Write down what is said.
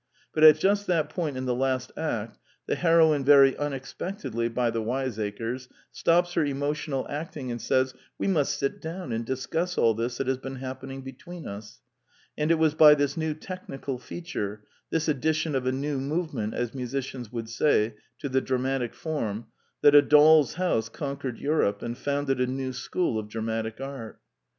But at just that point in the last act, the heroine very unexpectedly (by the wiseacres) stops her emotional acting and says :" We must sit down and discuss all this that has been happening between us." And it was by this new technical feature: this addition of a new movement, as musicians would say, to the dramatic form, that A Doll's House con quered Europe and founded a new school of dramatic art.